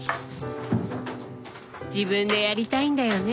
自分でやりたいんだよね。